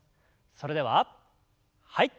それでははい。